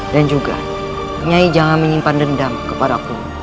dan juga nyai jangan menyimpan dendam kepadaku